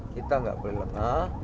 kita tidak beli lengah